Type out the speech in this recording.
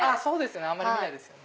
あんまり見ないですよね。